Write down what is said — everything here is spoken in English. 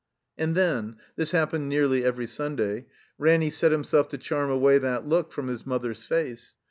And then (this happened nearly every Sunday) Ranny set himself to charm away that look from his mother's face.